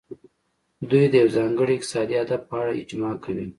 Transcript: دوی د یو ځانګړي اقتصادي هدف په اړه اجماع کوي